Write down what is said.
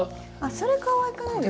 それかわいくないですか？